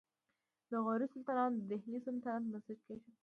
د غوري سلطانانو د دهلي سلطنت بنسټ کېښود